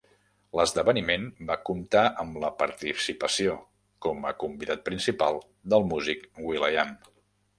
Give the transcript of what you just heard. L'esdeveniment va comptar amb la participació com a convidat principal del músic will.i.am.